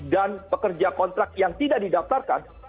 dan pekerja kontrak yang tidak didaftarkan